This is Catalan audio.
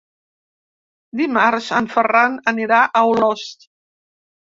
Dimarts en Ferran anirà a Olost.